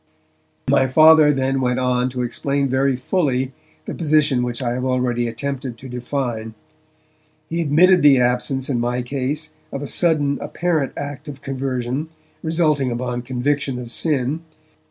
My Father then went on to explain very fully the position which I have already attempted to define. He admitted the absence in my case of a sudden, apparent act of conversion resulting upon conviction of sin.